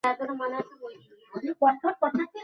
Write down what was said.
আপনি আমাকে ভয় করেন কেন?